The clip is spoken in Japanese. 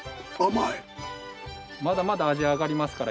まだまだ味あがりますから。